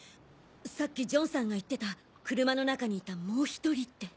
さっきジョンさんが言ってた「車の中にいたもう１人」って。